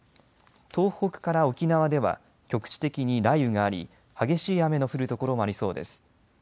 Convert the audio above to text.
東北から沖縄では局地的に雷雨があり激しい雨の降る所もありそうです。